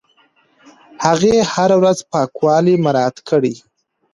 هغې هره ورځ پاکوالی مراعت کړی.